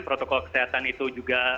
protokol kesehatan itu juga